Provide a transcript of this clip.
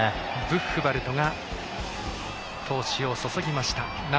ブッフバルトが闘志をそそぎました。